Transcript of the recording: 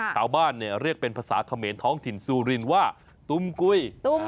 ชาวบ้านเรียกเป็นภาษาเขมรท้องถิ่นซูรินว่าตุมกุย